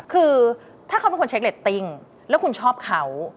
คือถ้าเขาเป็นคนเช็คเรตติ้งแล้วคุณชอบเขา